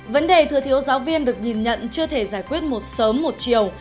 vấn đề thừa thiếu giáo viên được nhìn nhận chưa thể giải quyết một sớm một chiều